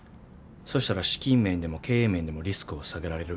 そしたら資金面でも経営面でもリスクを下げられる。